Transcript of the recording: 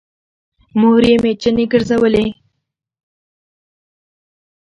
مور يې مېچنې ګرځولې